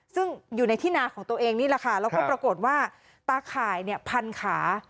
ซึ่งอยู่ในที่นาของตัวเองนี่แหละค่ะแล้วก็ปรากฏว่าตาข่ายเนี่ยพันขา